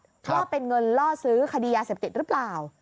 ว่าเป็นเงินล่อซื้อคดียาเสพติดหรือเปล่า